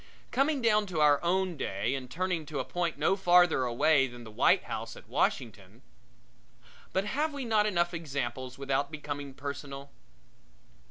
Coming down to our own day and turning to a point no farther away than the White House at Washington but have we not enough examples without becoming personal?